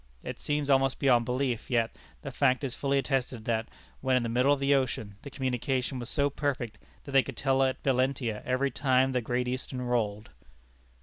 It seems almost beyond belief, yet the fact is fully attested that, when in the middle of the ocean, the communication was so perfect that they could tell at Valentia every time the Great Eastern rolled.